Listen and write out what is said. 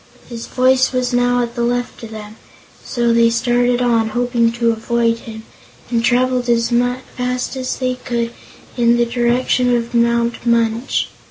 His voice was now at the left of them, so they started on, hoping to avoid him, and traveled as fast as they could in the direction of Mount Munch.